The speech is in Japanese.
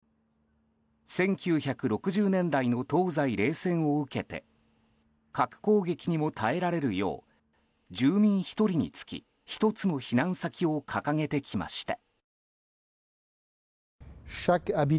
１９６０年代の東西冷戦を受けて核攻撃にも耐えられるよう住民１人につき１つの避難先を掲げてきました。